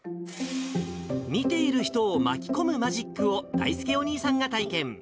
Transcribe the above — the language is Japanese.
見ている人を巻き込むマジックをだいすけお兄さんが体験。